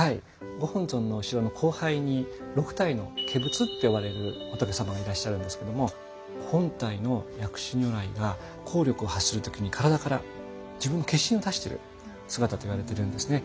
ご本尊の後ろの光背に６体の化仏って呼ばれる仏様がいらっしゃるんですけども本体の薬師如来が効力を発する時に体から自分の化身を出してる姿といわれてるんですね。